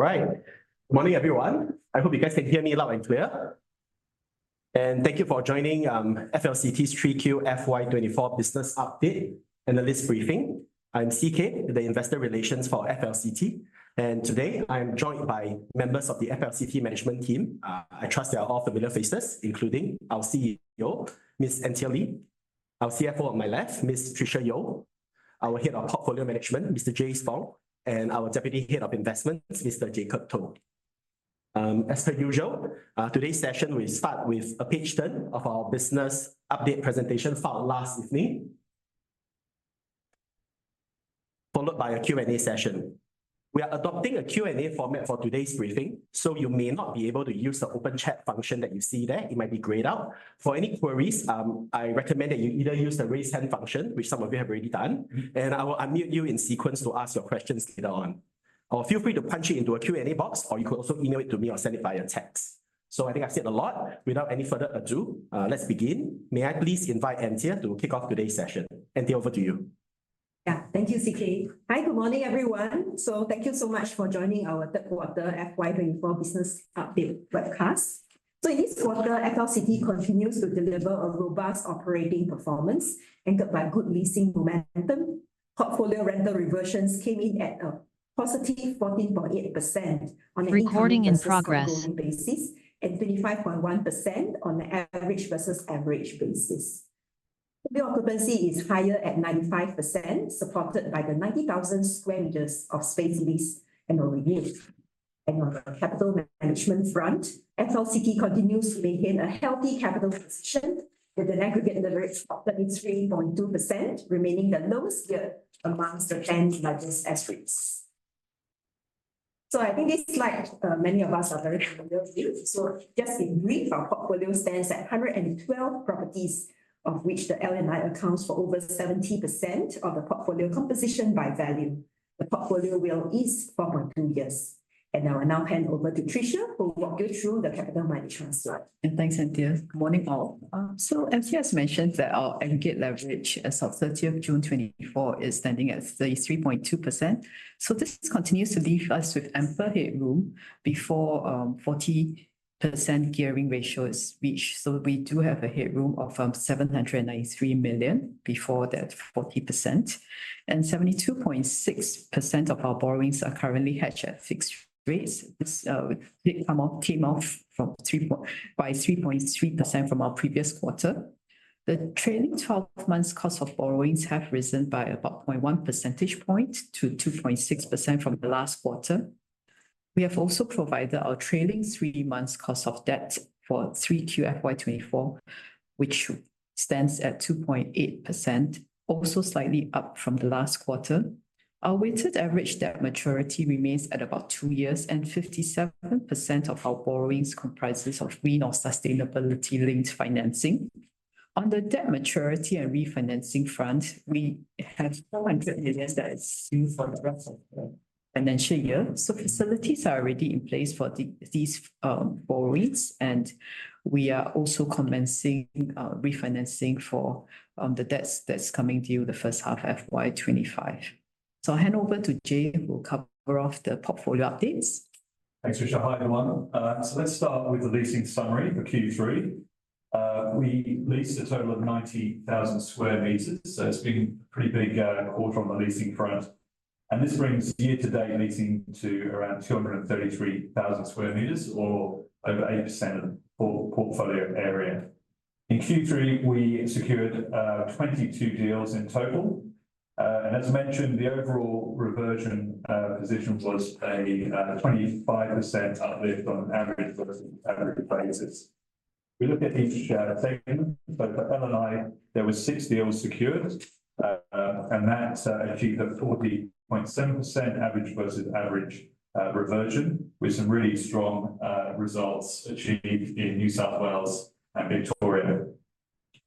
Right. Morning, everyone. I hope you guys can hear me loud and clear. Thank you for joining FLCT's 3Q FY 2024 business update analyst briefing. I'm CK, the investor relations for FLCT, and today I am joined by members of the FLCT management team. I trust they are all familiar faces, including our CEO, Ms. Anthea Lee. Our CFO on my left, Ms. Tricia Yeo. Our Head of Portfolio Management, Mr. James Fong, and our Deputy Head of Investments, Mr. Jacob Toh. As per usual, today's session will start with a pitch turn of our business update presentation filed last evening, followed by a Q&A session. We are adopting a Q&A format for today's briefing, so you may not be able to use the open chat function that you see there. It might be grayed out. For any queries, I recommend that you either use the raise hand function, which some of you have already done, I will unmute you in sequence to ask your questions later on. Feel free to punch it into a Q&A box, or you could also email it to me or send it via text. I think I've said a lot. Without any further ado, let's begin. May I please invite Anthea to kick off today's session. Anthea, over to you. Thank you, CK. Hi. Good morning, everyone. Thank you so much for joining our third quarter FY 2024 business update webcast. In this quarter, FLCT continues to deliver a robust operating performance anchored by good leasing momentum. Portfolio rental reversions came in at a positive 14.8% on an average versus average basis, and 35.1% on the average versus average basis. The occupancy is higher at 95%, supported by the 90,000 sq m of space leased and/or renewed. On the capital management front, FLCT continues to maintain a healthy capital position with an aggregate leverage of 33.2%, remaining the lowest gear amongst the 10 largest S-REITs. I think this slide, many of us are very familiar with. Just in brief, our portfolio stands at 112 properties, of which the L&I accounts for over 70% of the portfolio composition by value. The portfolio will lease for more than two years. I will now hand over to Tricia, who will walk you through the capital management slide. Thanks, Anthea. Morning, all. Anthea has mentioned that our aggregate leverage as of 30th June 2024 is standing at 33.2%. This continues to leave us with ample headroom before 40% gearing ratio is reached. We do have a headroom of 793 million before that 40%. 72.6% of our borrowings are currently hedged at fixed rates. This amount came off by 3.3% from our previous quarter. The trailing 12 months cost of borrowings have risen by about 0.1 percentage point to 2.6% from the last quarter. We have also provided our trailing three months cost of debt for 3Q FY 2024, which stands at 2.8%, also slightly up from the last quarter. Our weighted average debt maturity remains at about two years, and 57% of our borrowings comprises of green or sustainability-linked financing. On the debt maturity and refinancing front, we have 400 million that is due for the rest of the financial year. Facilities are already in place for these borrowings. We are also commencing refinancing for the debts that's coming due the first half FY 2025. I'll hand over to James who'll cover off the portfolio updates. Thanks, Tricia. Hi, everyone. Let's start with the leasing summary for Q3. We leased a total of 90,000 sq m. It's been a pretty big quarter on the leasing front. This brings year-to-date leasing to around 233,000 sq m, or over 80% of the portfolio area. In Q3, we secured 22 deals in total. As mentioned, the overall reversion position was a 25% uplift on an average versus average basis. We look at each segment. For L&I, there was six deals secured. That achieved a 40.7% average versus average reversion, with some really strong results achieved in New South Wales and Victoria.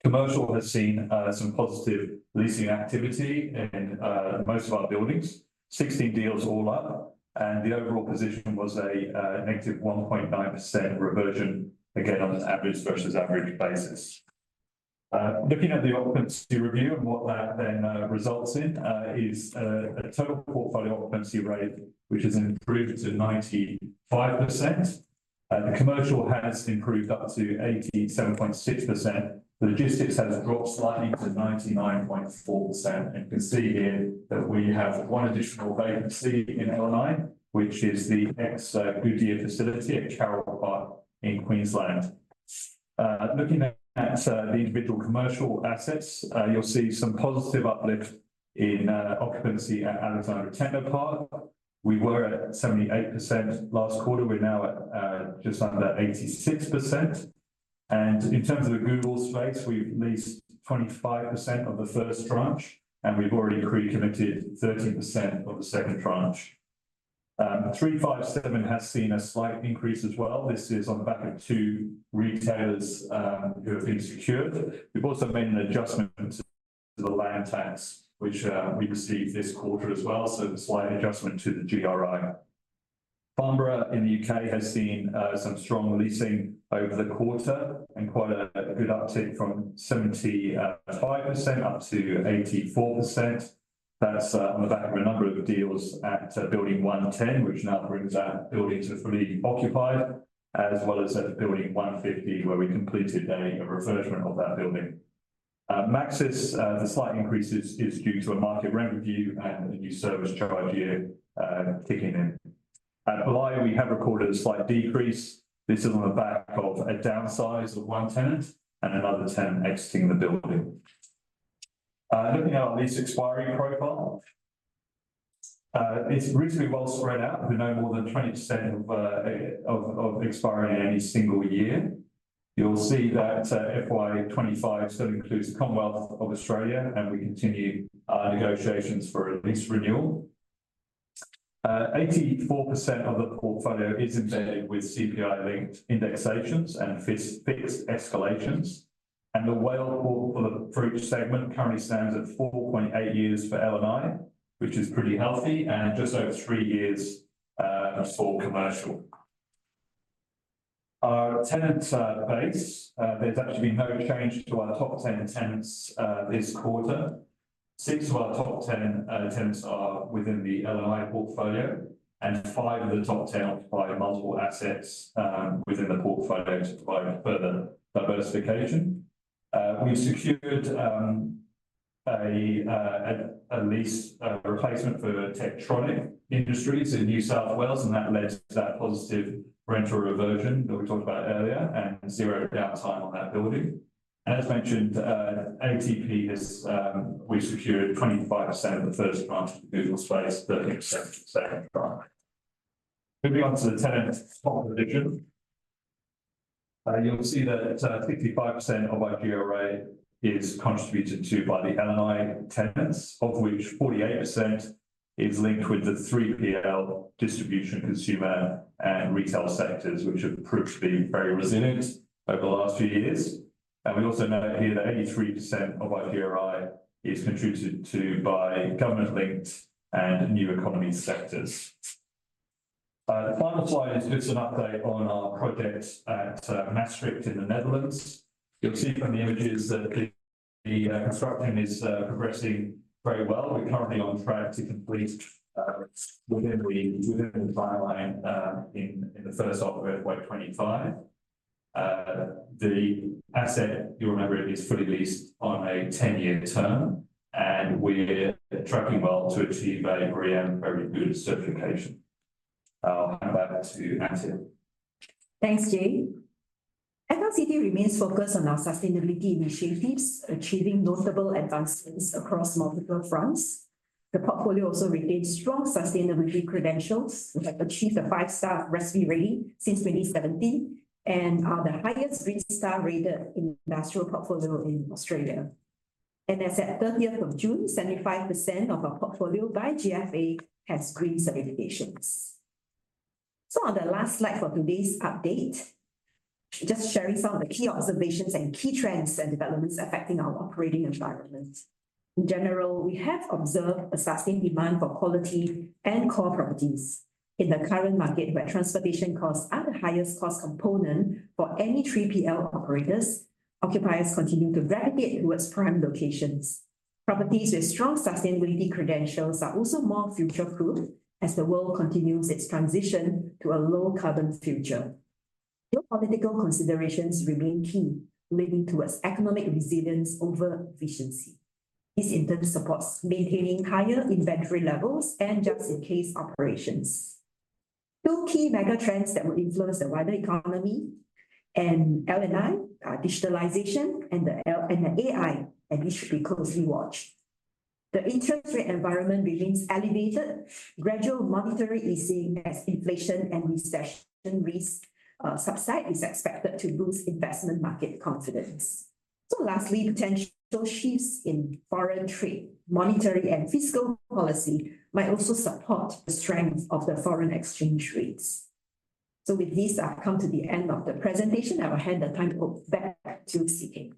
Commercial has seen some positive leasing activity in most of our buildings. 16 deals all up. The overall position was a negative 1.9% reversion, again, on an average versus average basis. Looking at the occupancy review, what that then results in is a total portfolio occupancy rate which has improved to 95%. Commercial has improved up to 87.6%. Logistics has dropped slightly to 99.4%. You can see here that we have one additional vacancy in L&I, which is the ex-Goodyear facility at Carole Park in Queensland. Looking at the individual commercial assets, you'll see some positive uplift in occupancy at Alexandra Technopark. We were at 78% last quarter. We're now at just under 86%. In terms of the Google space, we've leased 25% of the first tranche. We've already pre-committed 13% of the second tranche. 357 has seen a slight increase as well. This is on the back of two retailers who have been secured. We've also made an adjustment to the land tax, which we received this quarter as well. Slight adjustment to the GRI. Banbury in the U.K. has seen some strong leasing over the quarter and quite a good uptick from 75% up to 84%. That's on the back of a number of deals at Building 110, which now brings that building to fully occupied, as well as at Building 150, where we completed a refurbishment of that building. Maxis, the slight increase is due to a market rent review and a new service charge year kicking in. At Alaya, we have recorded a slight decrease. This is on the back of a downsize of one tenant and another tenant exiting the building. Looking at our lease expiry profile, it's reasonably well spread out with no more than 20% of expiry in any single year. You'll see that FY 2025 still includes the Commonwealth of Australia. We continue our negotiations for a lease renewal. 84% of the portfolio is embedded with CPI-linked indexations and fixed escalations. The weighted average for the segment currently stands at 4.8 years for L&I, which is pretty healthy, and just over three years for small commercial. Our tenant base, there's actually been no change to our top 10 tenants this quarter. Six of our top 10 tenants are within the L&I portfolio, and five of the top 10 occupy multiple assets within the portfolio to provide further diversification. We secured a lease replacement for Techtronic Industries in New South Wales. That led to that positive rental reversion that we talked about earlier and zero downtime on that building. As mentioned, ATP, we secured 25% of the first tranche of Google's phase III second tranche. Moving on to the tenant sector division. You'll see that 55% of our GRI is contributed to by the L&I tenants, of which 48% is linked with the 3PL distribution consumer and retail sectors, which have proved to be very resilient over the last few years. We also note here that 83% of our GRI is contributed to by government-linked and new economy sectors. The final slide gives an update on our project at Maastricht in the Netherlands. You'll see from the images that the construction is progressing very well. We're currently on track to complete within the timeline in the first half of FY 2025. The asset, you'll remember, is fully leased on a 10-year term. We are tracking well to achieve a very good certification. I'll hand back to Anthea. Thanks, Jay. Frasers Property remains focused on our sustainability initiatives, achieving notable advancements across multiple fronts. The portfolio also retains strong sustainability credentials. We have achieved a 5-star GRESB rating since 2017 and are the highest Green Star rated industrial portfolio in Australia. As at 30th of June, 75% of our portfolio by GFA has green certifications. On the last slide for today's update, just sharing some of the key observations and key trends and developments affecting our operating environment. In general, we have observed a sustained demand for quality and core properties. In the current market, where transportation costs are the highest cost component for any 3PL operators, occupiers continue to gravitate towards prime locations. Properties with strong sustainability credentials are also more future-proof as the world continues its transition to a low-carbon future. Geopolitical considerations remain key, leading towards economic resilience over efficiency. This in turn supports maintaining higher inventory levels and just-in-case operations. Two key mega trends that will influence the wider economy and L&I are digitalization and AI, and these should be closely watched. The interest rate environment remains elevated. Gradual monetary easing as inflation and recession risk subside is expected to boost investment market confidence. Lastly, potential shifts in foreign trade, monetary and fiscal policy might also support the strength of the foreign exchange rates. With this, I've come to the end of the presentation. I will hand the time back to CK.